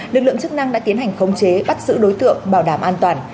lực lượng chức năng đã tiến hành khống chế bắt giữ đối tượng bảo đảm an toàn